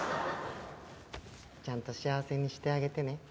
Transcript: ちゃんと幸せにしてあげてね。